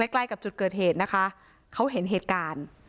ใกล้กับจุดเกิดเหตุนะคะเขาเห็นเหตุการณ์